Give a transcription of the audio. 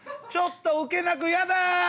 ちょっとウケなくやだ！